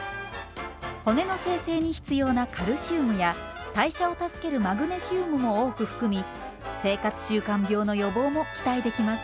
骨の生成に必要なカルシウムや代謝を助けるマグネシウムも多く含み生活習慣病の予防も期待できます。